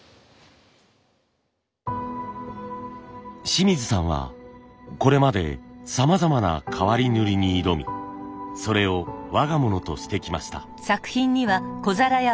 清水さんはこれまでさまざまな変わり塗に挑みそれを我が物としてきました。